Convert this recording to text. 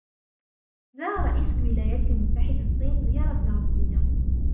زار رئيسُ الولايات المتحدة الصينَ زيارةً رسمية.